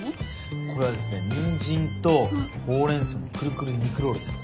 これはですねニンジンとホウレンソウのくるくる肉ロールです。